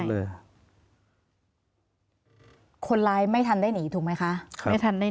ลูกสาวบอกแล้วก็ร้องไห้